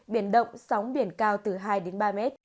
biển động sóng biển cao từ hai đến ba mét